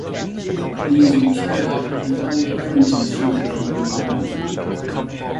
He is interred at the Old Bennington Cemetery in Bennington.